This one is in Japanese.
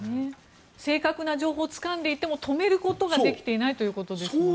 正確な情報をつかんでいても止めることができていないということですもんね。